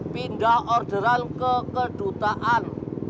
pindah orderan ke kedutaan